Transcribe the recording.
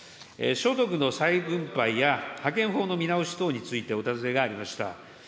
所得の再分配や派遣法の見直し等についてお尋ねがありました。